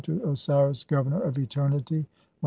to Osiris governor of eternity, 102.